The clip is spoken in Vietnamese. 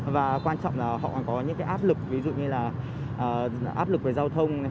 và quan trọng là họ còn có những cái áp lực ví dụ như là áp lực về giao thông